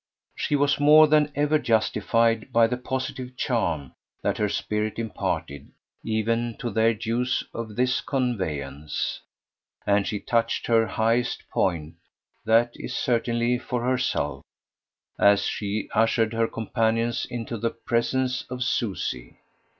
She was more than ever justified by the positive charm that her spirit imparted even to their use of this conveyance; and she touched her highest point that is certainly for herself as she ushered her companions into the presence of Susie.